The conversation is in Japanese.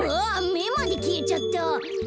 めまできえちゃった。